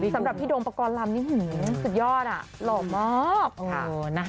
สำหรับพี่โดมปกรณ์ลำนี่สุดยอดหล่อมาก